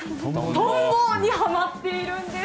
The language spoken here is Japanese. トンボにはまっているんです。